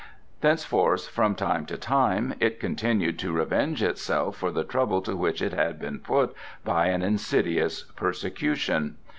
Thenceforth, from time to time, it continued to revenge itself for the trouble to which it had been put by an insidious persecution.